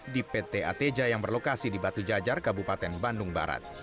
di pt ateja yang berlokasi di batu jajar kabupaten bandung barat